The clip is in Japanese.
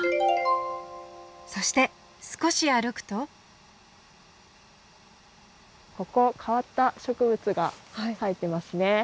そして少し歩くとここ変わった植物が生えてますね。